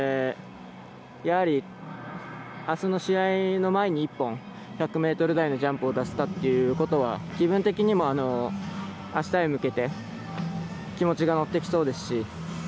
やはり、あすの試合の前に１本１００ｍ台のジャンプを出せたっていうことは気分的にもあしたに向けて気持ちが乗ってきそうですし。